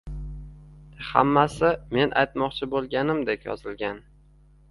Hammasi men aytmoqchi bo‘lganimdek yozilgan.